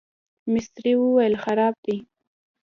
مستري وویل خراب دی.